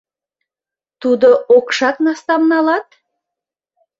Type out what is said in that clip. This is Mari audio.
Тудо окшак настам налат?